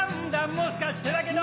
もしかしてだけど